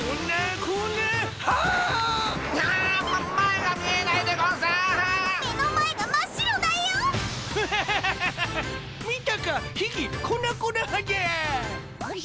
こなこな波じゃ！